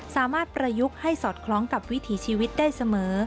ประยุกต์ให้สอดคล้องกับวิถีชีวิตได้เสมอ